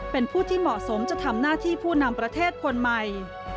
เป็นผู้ที่เหมาะสมจะทำหน้าที่ผู้นำประเทศคนใหม่